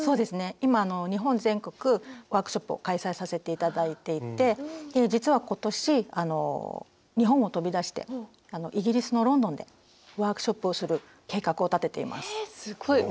今日本全国ワークショップを開催させて頂いていて実は今年日本を飛び出してイギリスのロンドンでワークショップをする計画を立てています。